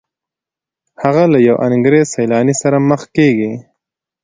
هغه له یو انګریز سیلاني سره مخ کیږي.